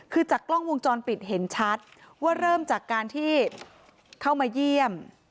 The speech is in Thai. คือจากกล้องวงจรปิดเห็นชัดว่าเริ่มจากการที่เข้ามาเยี่ยม